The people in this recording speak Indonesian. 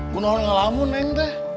gue nolong ke alamu neng